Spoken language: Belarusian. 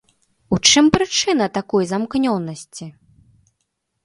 У чым прычына такой замкнёнасці?